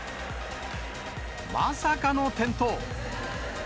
まさかの転倒。